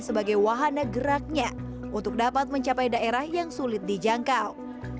sebagai wahana geraknya untuk dapat mencapai daerah yang sulit dijangkau